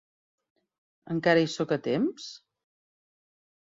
Encara hi soc a temps?